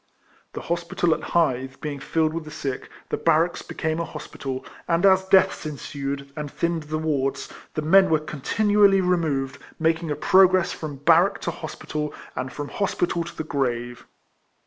The hospital at Hythe being filled with the sick, the barracks became a hospital, 262 RECOLLECTIONS OF and as deaths ensued, and thinned the wards, the men were continually removed, making a progress from barrack to hospital, and from hospital to the grave.